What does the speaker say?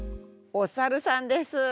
お猿さんです。